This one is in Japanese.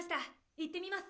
行ってみます。